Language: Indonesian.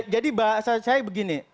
jadi bahasa saya begini